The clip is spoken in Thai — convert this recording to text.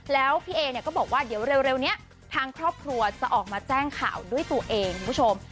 แล้วพี่เอเนี่ยก็บอกว่าเดี๋ยวเร็วนี้ทางครอบครัวจะออกมาแจ้งข่าวด้วยตัวเองคุณผู้ชม